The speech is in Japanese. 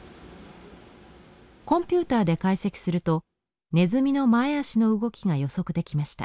コンピューターで解析するとネズミの前足の動きが予測できました。